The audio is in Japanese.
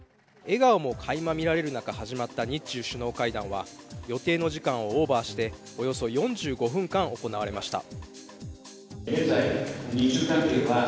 笑顔も垣間見られる中始まった日中首脳会談は予定の時間をオーバーしておよそ４５分間行われました。